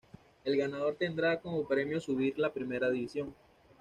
El ganador tendrá como premio subir la primera división.